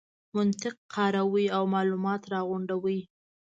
منطق کاروي او مالومات راغونډوي.